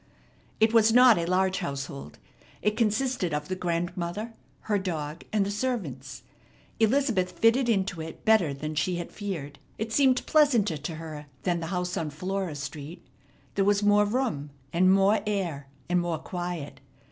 It was not a large household. It consisted of the grandmother, her dog, and the servants. Elizabeth fitted into it better than she had feared. It seemed pleasanter to her than the house on Flora Street. There was more room, and more air, and more quiet.